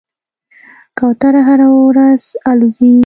کوتره هره ورځ الوځي.